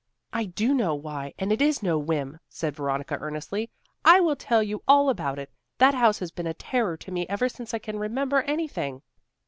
"I do know why; and it is no whim," said Veronica, earnestly. "I will tell you all about it. That house has been a terror to me ever since I can remember anything.